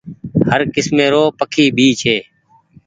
هر ڪسمي رو پکي ڀي ڇي